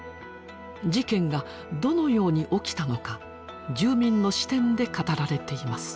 事件がどのように起きたのか住民の視点で語られています。